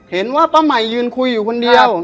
เห็นว่าป้าใหม่ยืนคุยอยู่คนเดียว